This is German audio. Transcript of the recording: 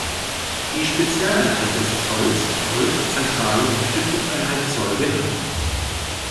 Die Spezialeinheit des Zolls wird Zentrale Unterstützungseinheit Zoll genannt.